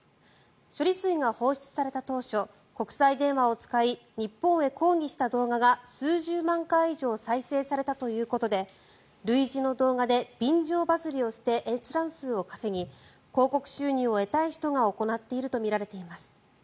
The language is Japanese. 処理水が放出された当初国際電話を使い日本へ抗議した動画が数十万回以上再生されたということで類似の動画で便乗バズりをして閲覧数を稼ぎ広告収入を得たい人が行っているとみられています。